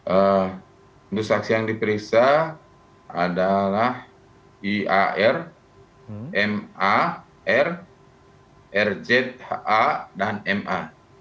untuk saksi yang diperiksa adalah iar mar rzha dan ma